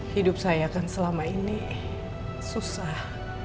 hidup saya kan selama ini susah